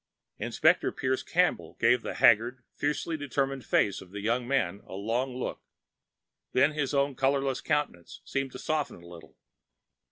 Inspector Pierce Campbell gave the haggard, fiercely determined face of the young man a long look, and then his own colorless countenance seemed to soften a little.